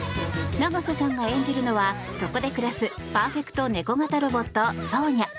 永瀬さんが演じるのはそこで暮らすパーフェクトネコ型ロボットソーニャ。